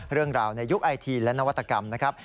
เรื่องราวในยุคไอทีและนวัตกรรมนะครับ